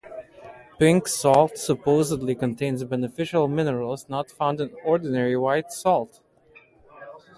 Pink salt supposedly contains beneficial minerals not found in ordinary white salt.